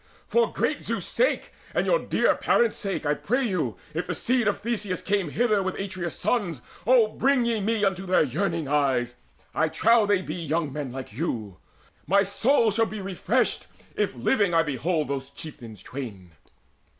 For great Zeus' sake, for your dear parents' sake, I pray you, if the seed of Theseus came Hither with Atreus' sons, O bring ye me Unto their yearning eyes. I trow they be Young men like you. My soul shall be refreshed If living I behold those chieftains twain."